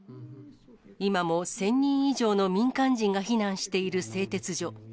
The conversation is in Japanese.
今も１０００人以上の民間人が避難している製鉄所。